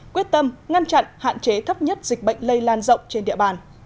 quyết tâm ngăn chặn hạn chế thấp nhất dịch bệnh lây lan rộng trên địa bàn